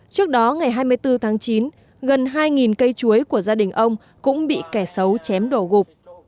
trước đó ngày hai mươi bốn tháng chín gần hai cây chuối của gia đình ông cũng bị kẻ xấu chém đổ gục